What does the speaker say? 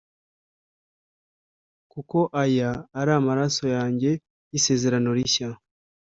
kuko aya ari amaraso yanjye y’isezerano rishya